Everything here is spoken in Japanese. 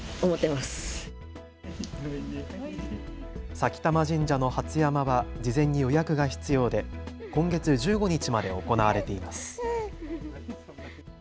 前玉神社の初山は事前に予約が必要で今月１５日まで行われています。